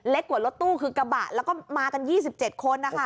กว่ารถตู้คือกระบะแล้วก็มากัน๒๗คนนะคะ